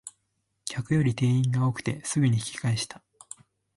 客より店員が多くてすぐに引き返した